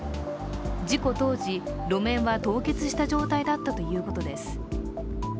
事故当時、路面は凍結した状態だったということです。